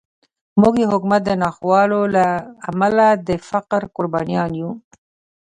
موږ د حکومت د ناخوالو له امله د فقر قربانیان یو.